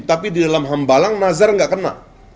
tapi di dalam hambalang nazar nggak kena